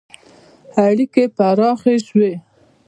• اړیکې پراخې شوې.